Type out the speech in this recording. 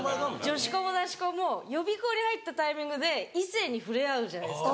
女子校も男子校も予備校に入ったタイミングで異性に触れ合うじゃないですか。